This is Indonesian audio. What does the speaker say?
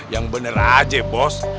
yang bener aja bos